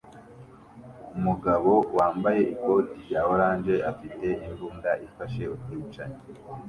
Umugabo wambaye ikoti rya orange afite imbunda ifashe ubwicanyi